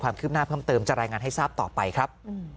ความคืบหน้าเพิ่มเติมจะรายงานให้ทราบต่อไปครับ